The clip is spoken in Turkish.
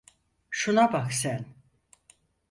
Şuna bak sen.